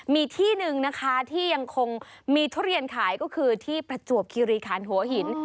มีที่หนึ่งนะคะที่ยังคงมีทุเรียนขายก็คือที่ประจวบคิริคันหัวหิน